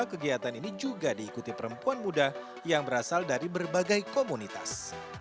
kegiatan ini juga diikuti perempuan muda yang berasal dari berbagai komunitas